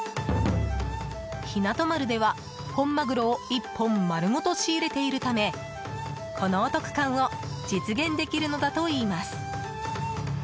ひなと丸では本マグロを１本丸ごと仕入れているためこのお得感を実現できるのだといいます。